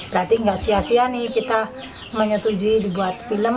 berarti nggak sia sia nih kita menyetujui dibuat film